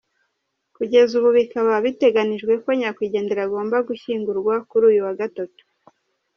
Kugeza ubu bikaba biteganijwe ko nyakwigendera agomba gushyingurwa kuri uyu wagatatu.